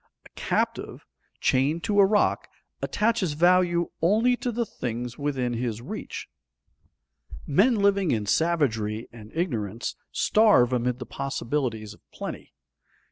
A captive, chained to a rock, attaches value only to the things within his reach. Men living in savagery and ignorance starve amid the possibilities of plenty.